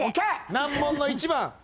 難問の１番。